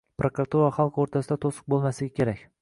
Prokuratura va xalq o‘rtasida to‘siq bo‘lmasligi kerak